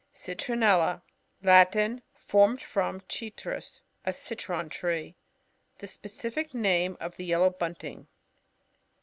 CiTRiNRLLA. — Latin. Formed from citrus^ a citron tree. The specific name of the Ye low Bunting.